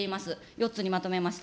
４つにまとめました。